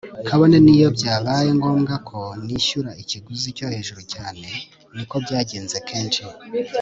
kabone niyo byabaye ngombwa ko nishyura ikiguzi cyo hejuru cyane - ni ko byagenze kenshi